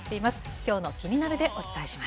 きょうのキニナル！でお伝えしま